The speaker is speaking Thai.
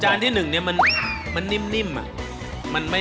จานที่หนึ่งเนี่ยมันนิ่มอะ